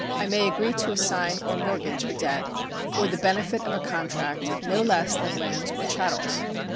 I may agree to assign or mortgage a debt, or the benefit of a contract, no less than lands or chattels.